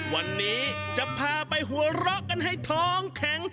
วันนี้จะพาไปหัวเราะกันให้ท้องแข็ง